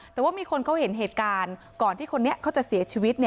แต่ว่ามีคนเขาเห็นเหตุการณ์ก่อนที่คนนี้เขาจะเสียชีวิต